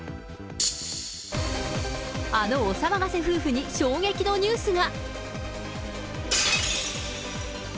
あのお騒がせ夫婦に衝撃のニュースが。